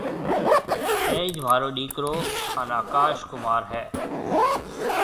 اَئيج مهارو ڏيڪرو هانَ آڪاش ڪمار هيَ۔